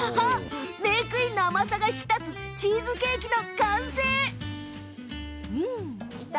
メークイーンの甘さが引き立つチーズケーキの完成。